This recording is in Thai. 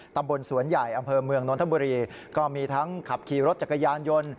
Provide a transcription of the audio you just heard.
ตำบลสวนใหญ่อำเภอเมืองนนทบุรีก็มีทั้งขับขี่รถจักรยานยนต์